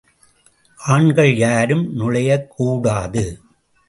ஆண்கள் யாரும் நுழையக்கூடாது.